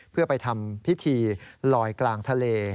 เพื่อไปทำพิธีลอยกลางทะเล